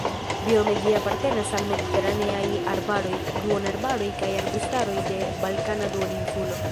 Biome ĝi apartenas al mediteraneaj arbaroj, duonarbaroj kaj arbustaroj de Balkana duoninsulo.